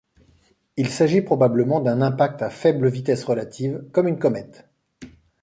Il s'agit probablement d'un impact à faible vitesse relative, comme une comète.